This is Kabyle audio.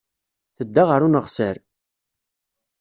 Tedda ɣer uneɣsar.